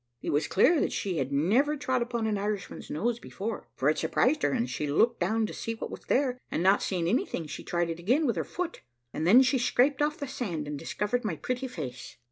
It was clear that she had never trod upon an Irishman's nose before, for it surprised her, and she looked down to see what was there, and not seeing anything, she tried it again with her foot, and then she scraped off the sand, and discovered my pretty face.